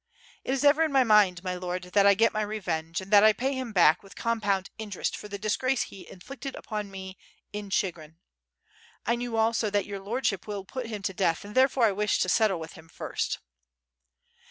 "It is ever in my mind, my Lord, that I get my revenge, and that I pay him back, with compound interest, for the disgrace he inflicted upon me in Chigrin. I knew also that your Lordship will put him to death, and therefore I wish to settle with him first."